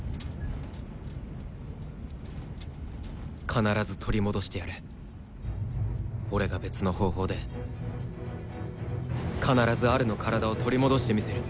必ず取り戻してやる俺が別の方法で必ずアルの体を取り戻してみせる